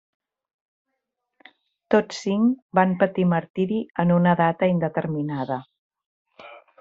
Tots cinc van patir martiri en una data indeterminada.